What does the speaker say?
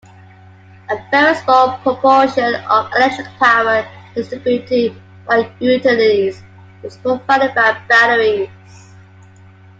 A very small proportion of electric power distributed by utilities is provided by batteries.